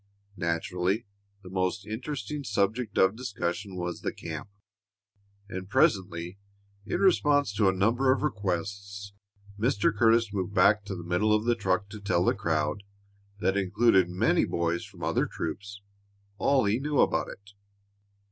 Naturally, the most interesting subject of discussion was the camp, and presently, in response to a number of requests, Mr. Curtis moved back to the middle of the truck to tell the crowd, that included many boys from other troops, all he knew about it.